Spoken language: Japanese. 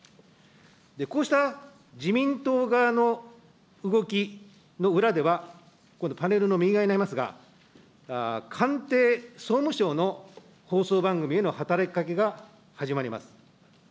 こうした自民党側の動きの裏では、今度、パネルの右側になりますが、官邸、総務省の放送番組への働きかけが始まります。